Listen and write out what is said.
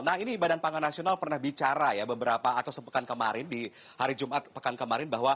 nah ini badan pangan nasional pernah bicara ya beberapa atau sepekan kemarin di hari jumat pekan kemarin bahwa